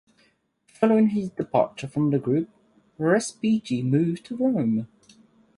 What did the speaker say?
Following his departure from the group, Respighi moved to Rome.